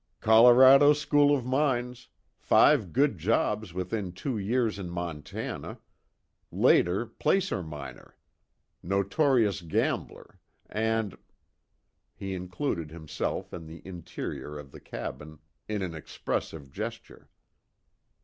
"Colorado School of Mines five good jobs within two years in Montana later, placer miner, 'notorious gambler,' and " he included himself and the interior of the cabin in an expressive gesture.